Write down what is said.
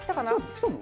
来たの？